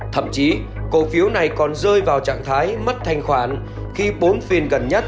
thậm chí cổ phiếu này còn rơi vào trạng thái mất thanh khoản khi bốn phiên gần nhất